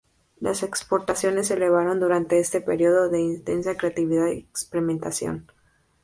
Las exportaciones se elevaron durante ese período de intensa creatividad y experimentación.